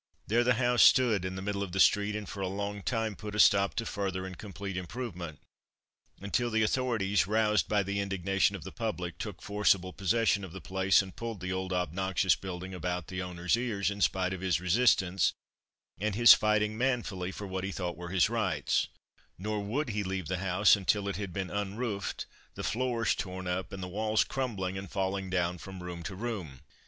There the house stood in the middle of the street, and for a long time put a stop to further and complete improvement, until the authorities, roused by the indignation of the public, took forcible possession of the place and pulled the old obnoxious building about the owner's ears, in spite of his resistance and his fighting manfully for what he thought were his rights; nor would he leave the house until it had been unroofed, the floors torn up, and the walls crumbling and falling down from room to room.